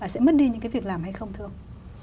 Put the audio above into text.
sẽ mất đi những cái việc làm hay không thưa ông